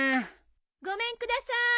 ・ごめんください。